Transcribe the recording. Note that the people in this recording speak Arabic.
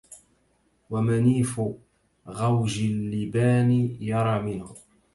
ومنيف غوج اللبان يرى منه